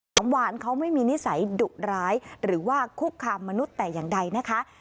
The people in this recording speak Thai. สามวานเขาไม่มีนิสัยดุร้ายหรือว่าคุกคามมนุษย์แต่อย่างใดนะคะ